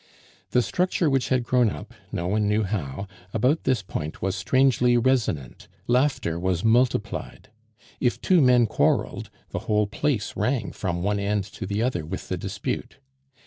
The structure which had grown up, no one knew how, about this point was strangely resonant, laughter was multiplied; if two men quarreled, the whole place rang from one end to the other with the dispute.